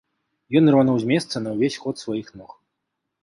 Ён ірвануў з месца на ўвесь ход сваіх ног.